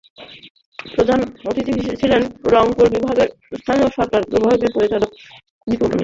প্রধান অতিথি ছিলেন রংপুর বিভাগের স্থানীয় সরকার বিভাগের পরিচালক মিনু শীল।